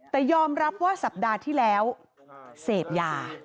แต่ยอมรับว่าสัปดาห์ที่แล้วเสพยา